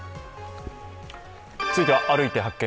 続いては、「歩いて発見！